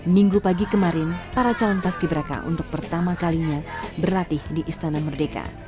minggu pagi kemarin para calon paski beraka untuk pertama kalinya berlatih di istana merdeka